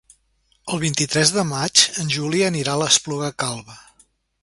El vint-i-tres de maig en Juli anirà a l'Espluga Calba.